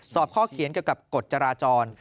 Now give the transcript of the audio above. สอบข้อเขียนเกี่ยวกับกฎจราจร